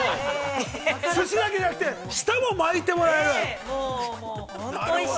◆すしだけじゃなくて、舌も巻いてもらえる。